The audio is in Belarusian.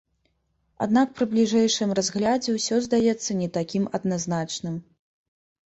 Аднак пры бліжэйшым разглядзе ўсё здаецца не такім адназначным.